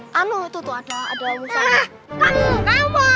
kamu tuh tuh ada ada orang yang